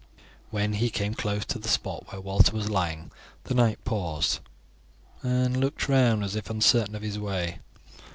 When he came close to the spot where Walter was lying the knight paused and looked round as if uncertain of his way.